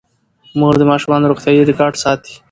مور د ماشومانو روغتیايي ریکارډ ساتي.